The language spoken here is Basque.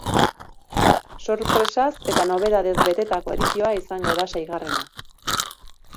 Sorpresaz eta nobedadez betetako edizioa izango da seigarrena.